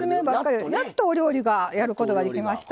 やっとお料理がやることができました。